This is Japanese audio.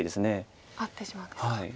遭ってしまうんですか。